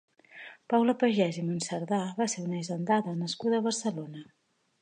Paula Pagès i Monserdà va ser una hisendada nascuda a Barcelona.